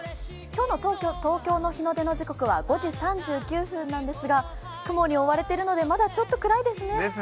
今日の東京の日の出の時刻は５時３９分なんですが、雲に覆われているのでまだちょっとくらいですね。